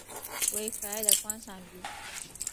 为可爱的观赏鱼。